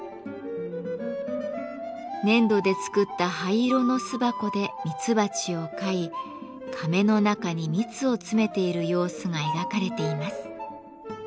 粘土で作った灰色の巣箱でミツバチを飼いかめの中に蜜を詰めている様子が描かれています。